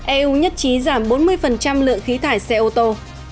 eu nhất trí giảm bốn mươi lượng khí thải xe ô tô